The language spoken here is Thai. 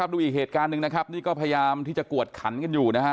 ดูอีกเหตุการณ์หนึ่งนะครับนี่ก็พยายามที่จะกวดขันกันอยู่นะฮะ